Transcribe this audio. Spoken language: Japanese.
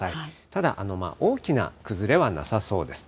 ただ、大きな崩れはなさそうです。